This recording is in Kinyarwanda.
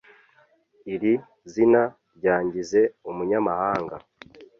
Iri zina ryangize umunyamahanga